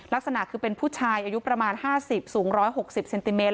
ลักษณะคือเป็นผู้ชายอายุประมาณ๕๐สูง๑๖๐เซนติเมตร